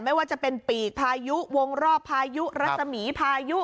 ไม่ว่าจะเป็นปีกพายุวงรอบพายุรัศมีพายุ